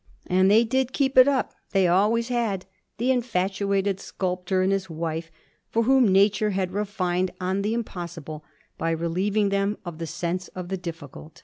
And they did keep it up they always had the infatuated sculptor and his wife, for whom nature had refined on the impossible by relieving them of the sense of the difficult.